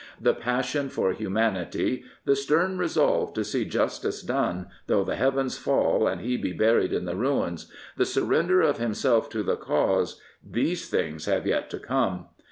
|The passion for humanity, the stern resolve to see justice done though the heavens fall and he be buried in the ruins, the surrender of himself to the cause — these things have yet to come.